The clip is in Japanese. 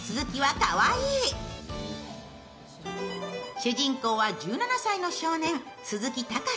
主人公は１７歳の少年、鈴木隆。